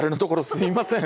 すいません。